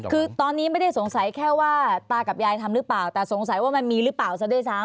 คือตอนนี้ไม่ได้สงสัยแค่ว่าตากับยายทำหรือเปล่าแต่สงสัยว่ามันมีหรือเปล่าซะด้วยซ้ำ